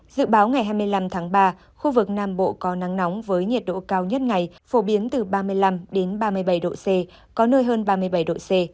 dự báo ngày hai mươi năm tháng ba khu vực nam bộ có nắng nóng với nhiệt độ cao nhất ngày phổ biến từ ba mươi năm ba mươi bảy độ c có nơi hơn ba mươi bảy độ c